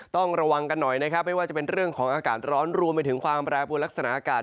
ต้องระวังกันหน่อยนะครับไม่ว่าจะเป็นเรื่องของอากาศร้อนรวมไปถึงความแปรปวดลักษณะอากาศ